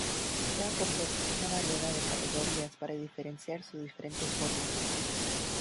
Se ha propuesto una variedad de categorías para diferenciar sus diferentes formas.